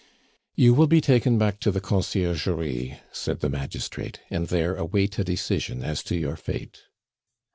"You will be taken back to the Conciergerie," said the magistrate, "and there await a decision as to your fate."